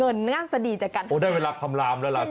ก็เลยมีโอกาสว่าอาจจะได้ลาบมาแบบพลุกด้วยสำหรับราศีสิง